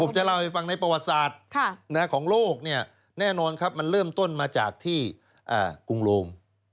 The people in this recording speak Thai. ผมจะเล่าให้ฟังในประวัติศาสตร์ของโลกเนี่ยแน่นอนครับมันเริ่มต้นมาจากที่กรุงโรม